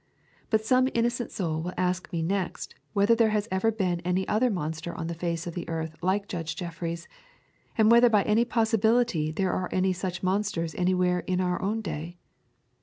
But some innocent soul will ask me next whether there has ever been any other monster on the face of the earth like Judge Jeffreys; and whether by any possibility there are any such monsters anywhere in our own day.